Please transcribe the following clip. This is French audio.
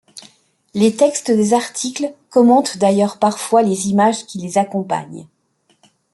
Les textes des articles commentent d'ailleurs parfois les images qui les accompagnent.